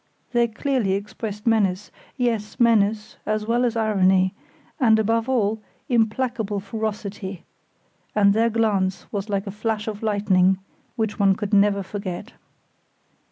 They clearly expressed menace, yes, menace, as well as irony, and, above all, implacable ferocity, and their glance was like a flash of lightning, which one could never forget.